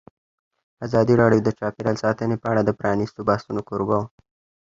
ازادي راډیو د چاپیریال ساتنه په اړه د پرانیستو بحثونو کوربه وه.